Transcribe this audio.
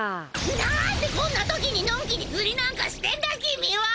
なんでこんなときにのんきに釣りなんかしてんだ君は！！